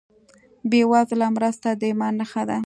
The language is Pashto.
بېوزله مرسته د ایمان نښه ده.